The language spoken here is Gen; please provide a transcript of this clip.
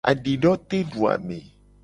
Adidoteduame.